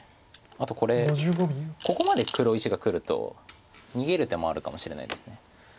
あとこれここまで黒石がくると逃げる手もあるかもしれないです。